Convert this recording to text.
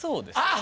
あ。